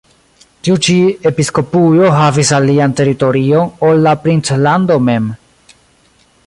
Tiu ĉi episkopujo havis alian teritorion ol la princlando mem.